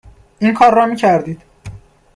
.این کار رو می کردید